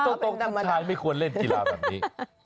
ถูกบตรงออร์คสุนชายไม่ควรเล่นกีฬาแบบนี้